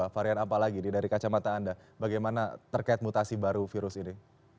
varian apa lagi dari kacamata anda bagaimana terkait mutasi baru virus ini